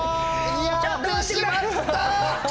やってしまった！